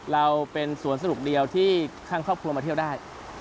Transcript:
เราเป็นสวนสนุกเดียวที่ทางครอบครัวมาเที่ยวได้